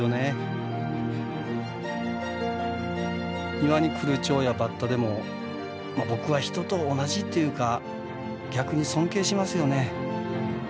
庭に来るチョウやバッタでも僕は人と同じっていうか逆に尊敬しますよね。